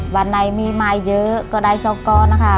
ใบนี้จ้างมีไม้เยอะก็ได้๒ก้อนค่ะ